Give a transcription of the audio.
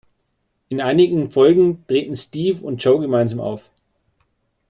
In einigen Folgen treten Steve und Joe gemeinsam auf.